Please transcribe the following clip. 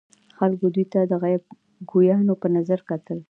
خلکو دوی ته د غیب ګویانو په نظر کتل.